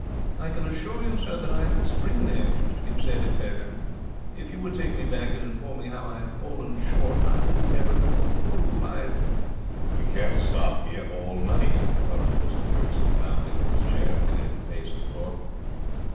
I can assure you, sir, that I am extremely anxious to give satisfaction. If you would take me back and inform me how I have fallen short, I would endeavour to improve, I ' 'We can't stop here all night,' interrupted Mr Ferguson, bounding from his chair and beginning to pace the floor.